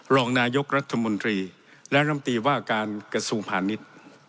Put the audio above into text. รองนายกรัฐมนตรีและรำตีว่าการกระทรวงพาณิชย์